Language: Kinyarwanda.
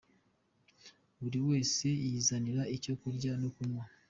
Buri wese yizanira icyo kurya no kunywa….